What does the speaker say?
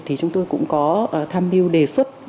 thì chúng tôi cũng có tham mưu đề xuất